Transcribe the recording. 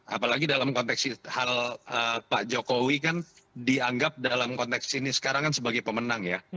apalagi dalam konteks hal pak jokowi kan dianggap dalam konteks ini sekarang kan sebagai pemenang ya